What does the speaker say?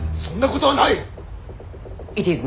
そんなことはない！